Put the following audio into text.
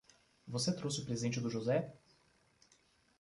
Você trouxe o presente do José?